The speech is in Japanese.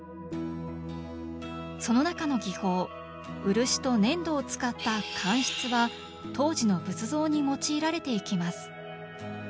その中の技法漆と粘土を使った乾漆は当時の仏像に用いられていきます。